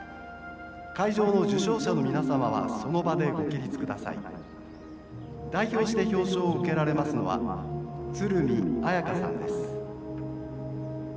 会場の受賞者の皆様はその場でご起立ください。代表して表彰を受けられますのは鶴見彩夏さんです」。